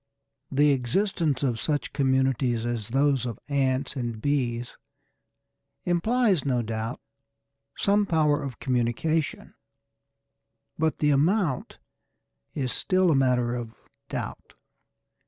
The existence of such communities as those of ants or bees implies, no doubt, some power of communication, but the amount is still a matter of doubt.